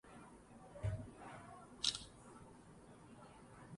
Jean-Pierre Gorin was a student of Louis Althusser, Michel Foucault and Jacques Lacan.